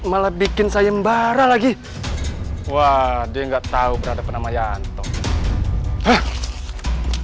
kecuali bikin saya mbara lagi wah dia nggak tahu berada pernah mayan hai he he hai hai